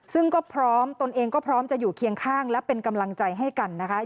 ซึ่งก็พร้อมตนเองก็พร้อมจะอยู่เคียงข้างและเป็นกำลังใจให้กันนะคะ